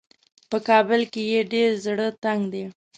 په کابل کې یې ډېر زړه تنګ دی.